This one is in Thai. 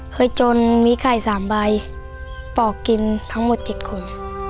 จนมีไข่๓ใบปอกกินทั้งหมด๗คน